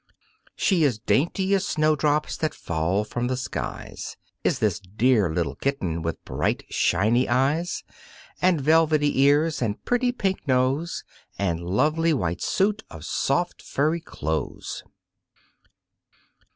She is dainty as snowdrops that fall from the skies, Is this dear little Kitten with bright, shiny eyes And velvety ears and pretty pink nose And lovely white suit of soft, furry clothes.